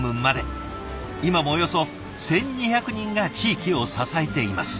今もおよそ１，２００人が地域を支えています。